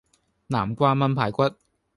南瓜炆排骨